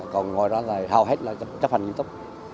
còn ngoài ra là hầu hết là chấp hành nghiêm túc